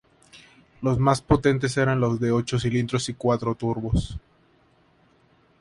Los más potentes eran los de ocho cilindros y el cuatro turbo.